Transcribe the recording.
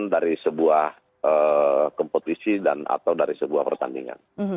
dari sebuah kompetisi dan atau dari sebuah pertandingan